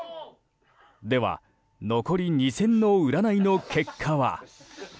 では残り２戦の占いの結果は。